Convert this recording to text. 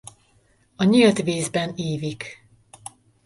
A nyílt vízben ívik.